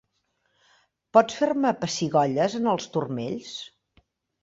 Pots fer-me pessigolles en els turmells.